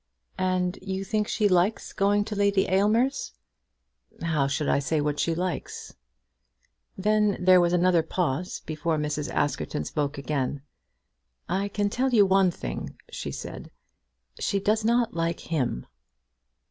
"And you think she likes going to Lady Aylmer's?" "How should I say what she likes?" Then there was another pause before Mrs. Askerton spoke again. "I can tell you one thing," she said: "she does not like him."